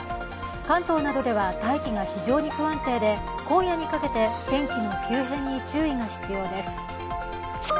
関東などでは大気が非常に不安定で今夜にかけて天気の急変に注意が必要です。